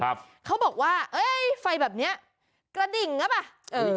ครับเขาบอกว่าเฮ้ยไฟแบบเนี้ยกระดิ่งน่ะป่ะเออ